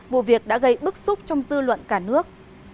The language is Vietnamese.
vụ việc đã gây bức xúc trong dư luận cả nước